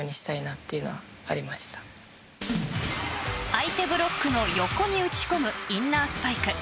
相手ブロックの横に打ち込むインナースパイク。